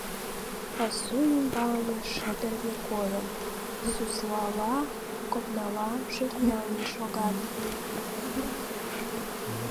Пасу ӱмбалне, шыдырге койын, суслала, копнала шӧртняҥын шогат.